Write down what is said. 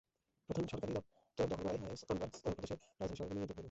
প্রধান সরকারি দপ্তর দখল করায় আইএস আনবার প্রদেশের রাজধানী শহরের পূর্ণ নিয়ন্ত্রণ পেল।